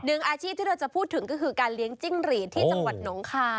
อาชีพที่เราจะพูดถึงก็คือการเลี้ยงจิ้งหรีดที่จังหวัดหนองคาย